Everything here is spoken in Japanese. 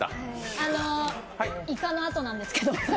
あのいかのあとなんですけど。